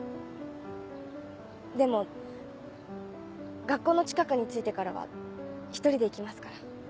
でも学校の近くに着いてからは一人で行きますから。